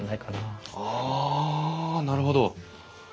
ああなるほど。